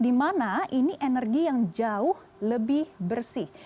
dimana ini energi yang jauh lebih bersih